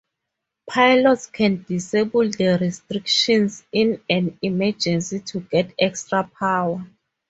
Pilots can disable the restrictions in an emergency to get extra power.